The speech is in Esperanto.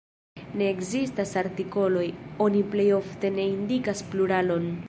Ne ekzistas artikoloj; oni plej ofte ne indikas pluralon.